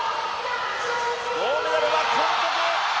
銅メダルは韓国。